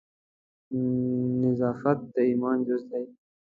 نظافت د ایمان جزء دی.